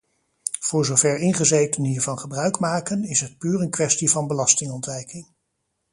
Voor zover ingezetenen hiervan gebruik maken, is het puur een kwestie van belastingontwijking.